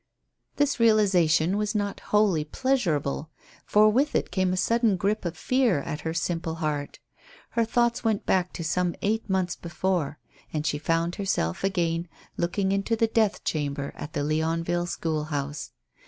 This realization was not wholly pleasurable, for with it came a sudden grip of fear at her simple heart. Her thoughts went back to some eight months before. And she found herself again looking into the death chamber at the Leonville school house.